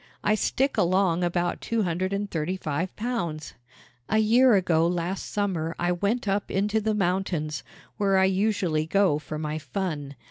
I stick along about two hundred and thirty five pounds." A year ago last summer I went up into the mountains, where I usually go for my fun.